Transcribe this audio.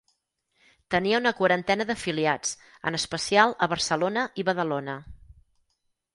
Tenia una quarantena d'afiliats, en especial a Barcelona i Badalona.